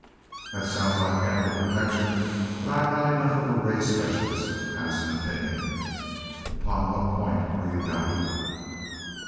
"That sounds like ample protection, but I am not enough of a ray specialist to pass an opinion. Upon what point are you doubtful?"